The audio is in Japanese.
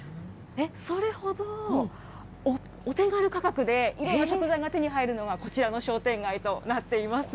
それほどお手軽価格でいろんな食材が手に入るのが、こちらの商店街となっています。